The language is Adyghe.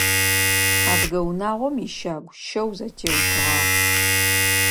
Адыгэ унагъом ищагу щэу зэтеутыгъагъ.